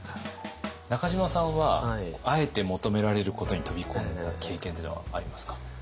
中島さんはあえて求められることに飛び込んだ経験っていうのはありますか？